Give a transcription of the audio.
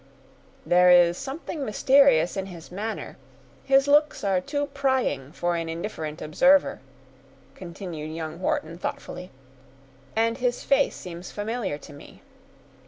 "There is something mysterious in his manner; his looks are too prying for an indifferent observer," continued young Wharton thoughtfully, "and his face seems familiar to me.